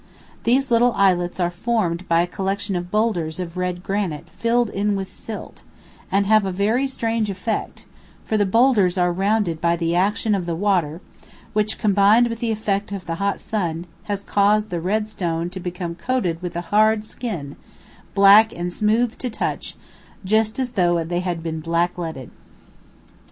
These little islets are formed by a collection of boulders of red granite filled in with silt, and have a very strange effect, for the boulders are rounded by the action of the water, which, combined with the effect of the hot sun, has caused the red stone to become coated with a hard skin, black and smooth to touch, just as though they had been blackleaded.